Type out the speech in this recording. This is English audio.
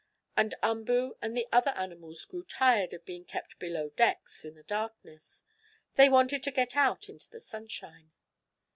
And Umboo and the other animals grew tired of being kept below decks, in the darkness. They wanted to get out into the sunshine.